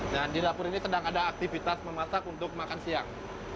dan di dapur ini sedang ada aktivitas memasak untuk makan siang